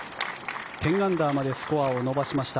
１０アンダーまでスコアを伸ばしました。